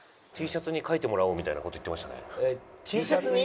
Ｔシャツに描いてもらおうみたいな事言ってましたね。